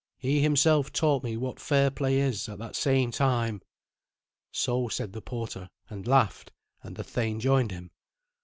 He himself taught me what fair play is, at that same time." So said the porter, and laughed, and the thane joined him.